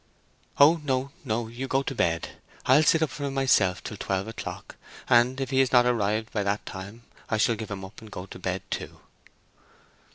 "Oh no, no! You go to bed. I'll sit up for him myself till twelve o'clock, and if he has not arrived by that time, I shall give him up and go to bed too."